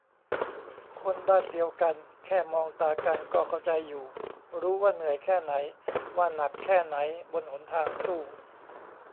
คนบ้านเดียวกัน แค่มองตากันก็เข้าใจอยู่ รู้ว่าเหนื่อยแค่ไหน ว่าหนักแค่ ไหนบนหนทางสู้